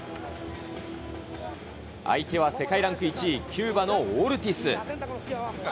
相手は世界ランク１位、キューバのオルティス。